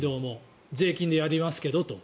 税金でやりますけどと。